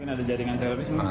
ada jaringan terorisnya